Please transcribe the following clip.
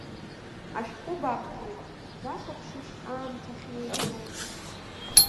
Ашәҟәы баԥхьоит, бахәаԥшишь аамҭа ахьнеихьоу.